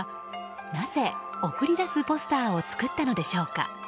なぜ、送り出すポスターを作ったのでしょうか。